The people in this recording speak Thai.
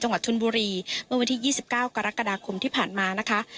จังหวัดทุนบุรีเมื่อวันที่ยี่สิบเก้ากรกฎาคมที่ผ่านมานะคะ